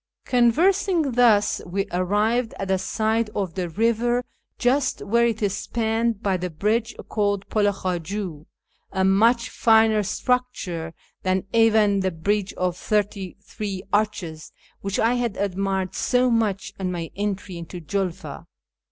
" Conversing thus, we arrived at the side of the river, just where it is spanned by the bridge called Pul i Khaju, a much finer structure than even the bridge of thirty three arches whicli I had admired so much on my entry into Julfa.